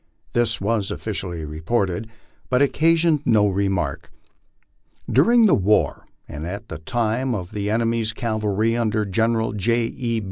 This was officially reported, but occasioned no re mark. During the war, and at the time the enemy's cavalry under General J. E.